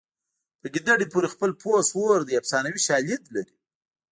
په ګیدړې پورې خپل پوست اور دی افسانوي شالید لري